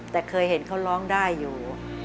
แต่เคยเห็นเขาร้องได้อยู่